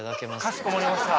かしこまりました。